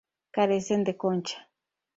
Carecen de concha.